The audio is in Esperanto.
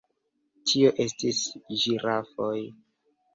Tio estis ĝirafoj.